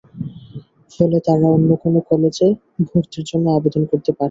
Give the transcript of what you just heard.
ফলে তারা অন্য কোনো কলেজে ভর্তির জন্য আবেদন করতে পারছে না।